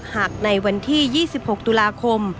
หากในวันที่๒๖ตุลาคม